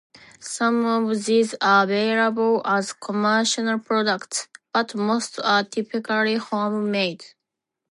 Some of these are available as commercial products, but most are typically home-made.